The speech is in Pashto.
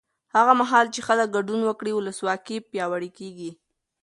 هغه مهال چې خلک ګډون وکړي، ولسواکي پیاوړې کېږي.